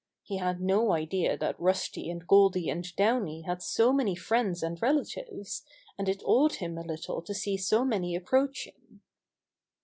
He had no idea that Rusty and Goldy and Downy had so many friends and relatives, and it awed him a little to see so many approaching.